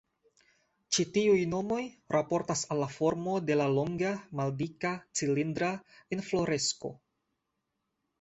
Ĉi tiuj nomoj raportas al la formo de la longa, maldika, cilindra infloresko.